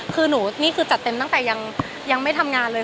คือหนูนี่คือจัดเต็มตั้งแต่ยังไม่ทำงานเลย